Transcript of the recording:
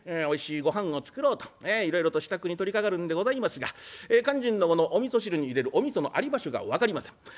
おいしいごはんを作ろうといろいろと支度に取りかかるんでございますが肝心のものお味噌汁に入れるお味噌のあり場所が分かりません。